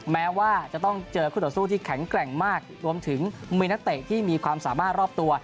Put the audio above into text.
แม้ว่าจะต้องเจอคู่ต่อสู้ที่แข็งแกร่งมากรวมถึงมีนักเตะที่มีความสามารถรอบตัว